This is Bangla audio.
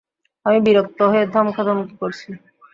আমি বিরক্ত হয়ে ধমকাধিমকি করছি।